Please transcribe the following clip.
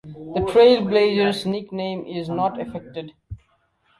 The Trailblazers nickname is not affected.